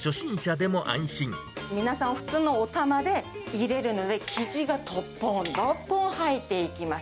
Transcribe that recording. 皆さん、普通のおたまで入れるので、生地がどっぽん、どっぽん入っていきます。